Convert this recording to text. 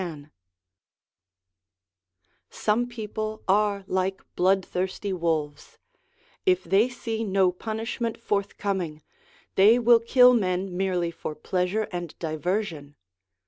310 SOME ANSWERED QUESTIONS Some people are like bloodthirsty wolves : if they see no punishment forthcoming, they will kill men merely for pleasure and diversion.